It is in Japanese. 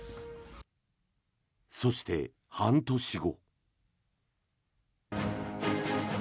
そして、半年後。